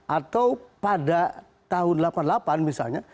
atau pada tahun seribu sembilan ratus delapan puluh delapan misalnya